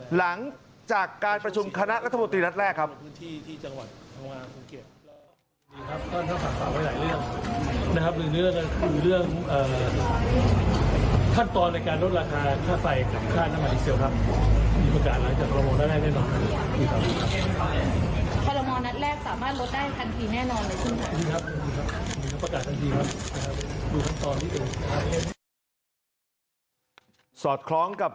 หลังจากการประชุมคณะรัฐมนตรีนัดแรกครับ